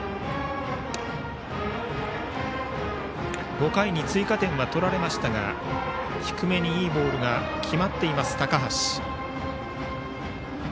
５回に追加点は取られましたが低めにいいボールが決まっています、高橋。